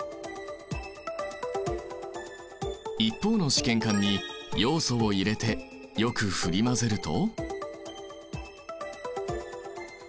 一方の試験管にヨウ素を入れてよく振り混ぜると。